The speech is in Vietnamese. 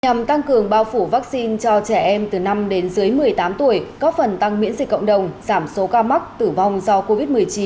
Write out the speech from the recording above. nhằm tăng cường bao phủ vaccine cho trẻ em từ năm đến dưới một mươi tám tuổi có phần tăng miễn dịch cộng đồng giảm số ca mắc tử vong do covid một mươi chín